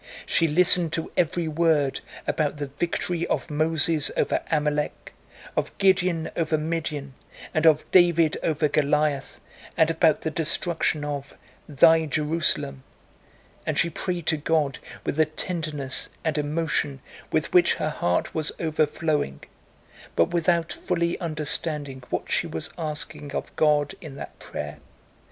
She listened to every word about the victory of Moses over Amalek, of Gideon over Midian, and of David over Goliath, and about the destruction of "Thy Jerusalem," and she prayed to God with the tenderness and emotion with which her heart was overflowing, but without fully understanding what she was asking of God in that prayer.